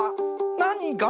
なにが？